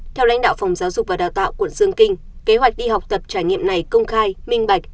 theo lãnh đạo phòng giáo dục và đào tạo quận dương kinh kế hoạch đi học tập trải nghiệm này công khai minh bạch